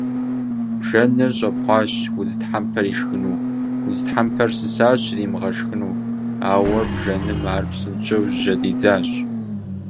Бжэныр щӀэпхъуащ, удз тхьэмпэр ишхыну, удз тхьэмпэр сысащ, зримыгъэшхыну, ауэ бжэным ар псынщӀэу жьэдидзащ.